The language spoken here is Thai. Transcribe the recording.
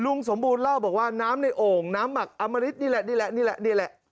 สมบูรณ์เล่าบอกว่าน้ำในโอ่งน้ำหมักอมริตนี่แหละนี่แหละนี่แหละนี่แหละ